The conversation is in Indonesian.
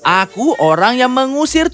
aku orang yang mengusir